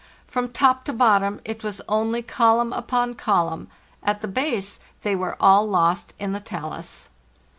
From top to bottom it was only column upon column; at the base they were all lost in the talus.